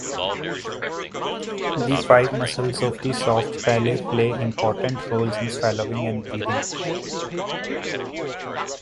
The five muscles of the soft palate play important roles in swallowing and breathing.